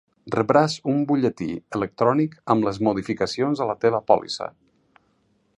Rebràs un butlletí electrònic amb les modificacions a la teva pòlissa.